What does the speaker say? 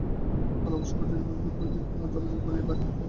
বলা আবশ্যক, অচিরকাল পূর্বেই বিপিন জলযোগ করিয়াই বাড়ি হইতে বাহির হইয়া আসিয়াছিল।